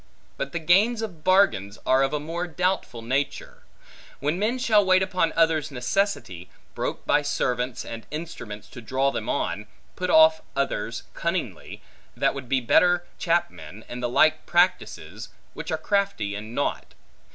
But the gains of bargains, are of a more doubtful nature; when men shall wait upon others' necessity, broke by servants and instruments to draw them on, put off others cunningly, that would be better chapmen, and the like practices, which are crafty and naught.